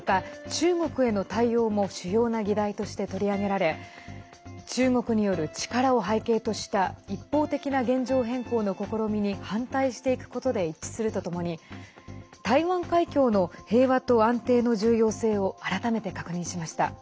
中国への対応も主要な議題として取り上げられ中国による力を背景とした一方的な現状変更の試みに反対していくことで一致するとともに台湾海峡の平和と安定の重要性を改めて確認しました。